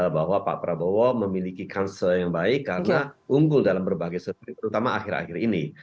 bahwa pak prabowo memiliki kansel yang baik karena unggul dalam berbagai survei terutama akhir akhir ini